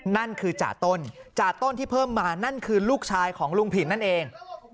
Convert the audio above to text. นั่นคือจ่าต้นจ่าต้นที่เพิ่มมานั่นคือลูกชายของลุงผินนั่นเอง